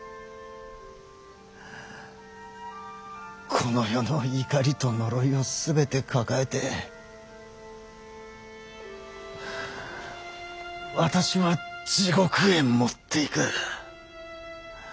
この世の怒りと呪いを全て抱えて私は地獄へ持っていく。